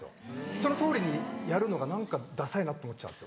そのとおりにやるのが何かダサいなって思っちゃうんです。